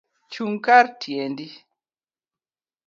Chungkar tiendi